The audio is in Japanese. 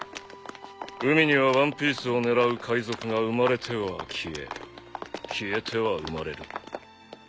海にはワンピースを狙う海賊が生まれては消え消えては生まれる。